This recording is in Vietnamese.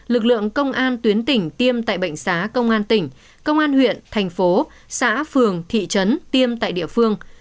lực lượng công an tuyến tỉnh tiêm tại bệnh xá công an tỉnh công an huyện thành phố xã phường thị trấn tiêm tại địa phương